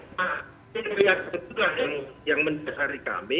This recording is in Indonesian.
dan juga kinerja ketua yang mendesari kami